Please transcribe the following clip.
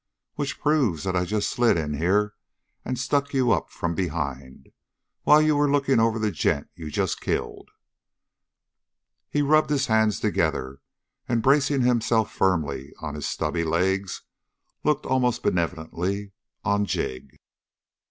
Which proves that I just slid in here and stuck you up from behind, while you were looking over the gent you'd just killed." He rubbed his hands together, and bracing himself firmly on his stubby legs, looked almost benevolently on Jig.